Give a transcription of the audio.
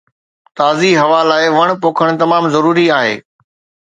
تازي هوا لاءِ وڻ پوکڻ تمام ضروري آهي